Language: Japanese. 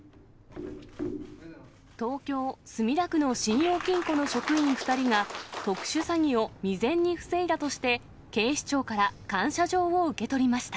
東京・墨田区の信用金庫の職員２人が、特殊詐欺を未然に防いだとして、警視庁から感謝状を受け取りました。